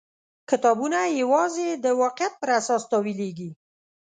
کتابونه یوازې د واقعیت پر اساس تاویلېږي.